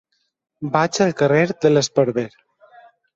Vaig al carrer de l'Esparver.